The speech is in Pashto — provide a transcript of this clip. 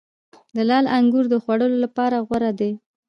د لعل انګور د خوړلو لپاره غوره دي.